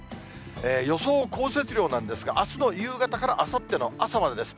予想降雪量なんですが、あすの夕方からあさっての朝までです。